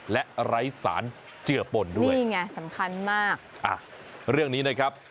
และไร้สารเจือปนด้วยนี่ไงสำคัญมากอ่ะเรื่องนี้นะครับ